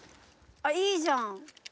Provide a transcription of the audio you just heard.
あっいいじゃん。